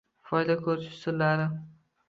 Foyda ko’rish usullari